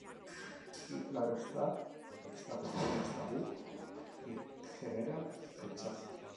Y claro está, esta cuestión es tabú, y genera rechazo.